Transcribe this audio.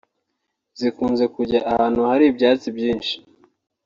zikunze kujya ahantu hari ibyatsi byinshi